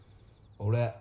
・俺。